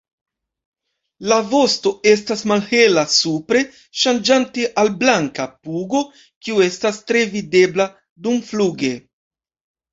La vosto estas malhela supre ŝanĝante al blanka pugo kiu estas tre videbla dumfluge.